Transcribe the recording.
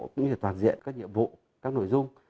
cũng như toàn diện các nhiệm vụ các nội dung